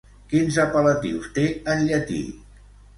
Quins apel·latius té, en llatí?